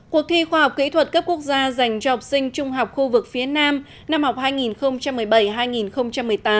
cuộc thi khoa học kỹ thuật cấp quốc gia dành cho học sinh trung học khu vực phía nam năm học hai nghìn một mươi bảy hai nghìn một mươi tám